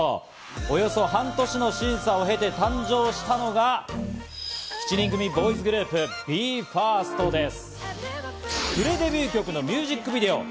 およそ半年の審査を経て誕生したのが、７人組ボーイズグループ、ＢＥ：ＦＩＲＳＴです。